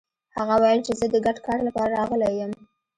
هغه ويل چې زه د ګډ کار لپاره راغلی يم.